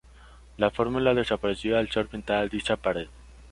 La fórmula desapareció al ser pintada dicha pared.